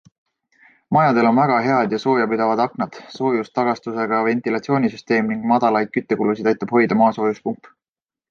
Majadel on väga head ja soojapidavad aknad, soojustagastusega ventilatsioonisüsteem ning madalaid küttekulusid aitab hoida maasoojuspump.